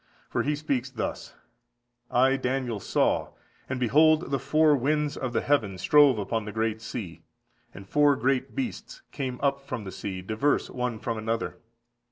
For he speaks thus: "I Daniel saw, and behold the four winds of the heaven strove upon the great sea. And four great beasts came up from the sea, diverse one from another.